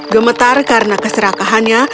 gemetar karena keserakahannya